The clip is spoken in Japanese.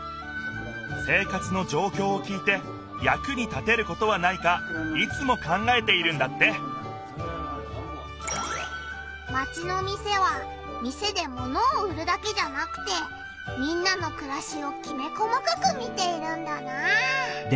生活のじょうきょうを聞いてやくに立てることはないかいつも考えているんだってマチの店は店で物を売るだけじゃなくてみんなのくらしをきめ細かく見ているんだなあ。